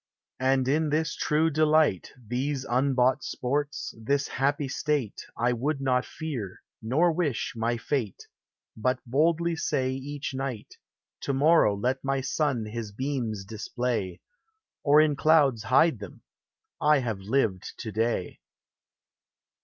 And in this true delight, These unbought sports, this happy state, I would not fear, nor wish, my fate , LABOR AXD REST. 4*7 But boldly say each night, To morrow let my sun his beams display, Or in clouds hide them ; I have lived to day.